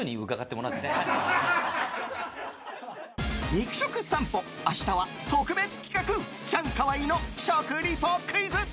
肉食さんぽ、明日は特別企画チャンカワイの食リポクイズ。